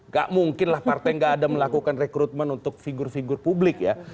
gak mungkin lah partai gak ada melakukan rekrutmen untuk figur figur publik ya